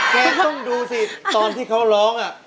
แกต้องดูสิตอนที่เขาร้อง